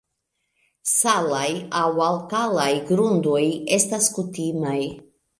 Salaj aŭ alkalaj grundoj estas kutimaj.